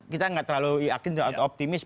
kita nggak terlalu yakin atau optimis